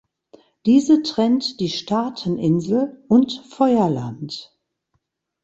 Diese trennt die Staaten-Insel und Feuerland.